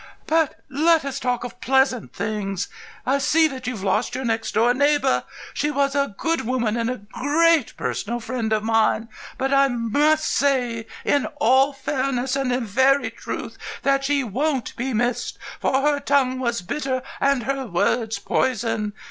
But let us talk of pleasant things. I see that you've lost your next door neighbour. She was a good woman, and a great personal friend of mine; but I must say, in all fairness and in very truth, that she won't be missed, for her tongue was bitter and her words poison.